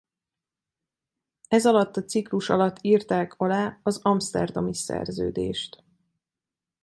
Ez alatt a ciklus alatt írták alá az Amszterdami Szerződést.